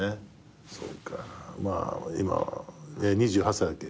そうか今２８歳だっけ？